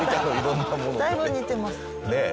だいぶ似てます。